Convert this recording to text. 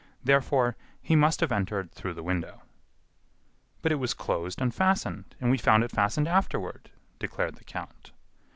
Therefore, he must have entered through the window." "But it was closed and fastened, and we found it fastened afterward," declared the count.